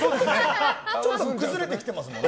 ちょっと崩れてきてますね。